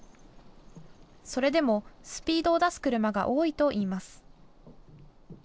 それでもスピードを出す車が多いといいます。